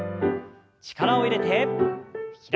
力を入れて開きます。